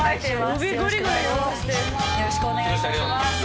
よろしくお願いします。